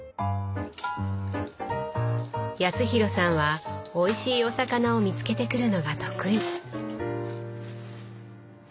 康廣さんはおいしいお魚を見つけてくるのが得意。